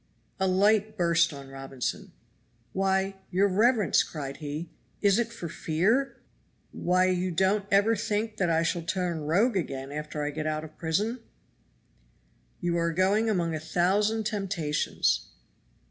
A light burst on Robinson. "Why, your reverence," cried he, "is it for fear? Why you don't ever think that I shall turn rogue again after I get out of prison?" "You are going among a thousand temptations."